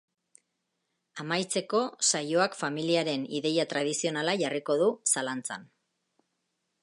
Amaitzeko, saioak familiaren ideia tradizionala jarriko du zalantzan.